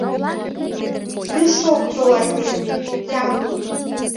Тыш ок тол айдеме, янлык.